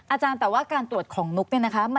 อาจารย์แต่ว่าการตรวจของนุ๊กเนี่ยนะคะ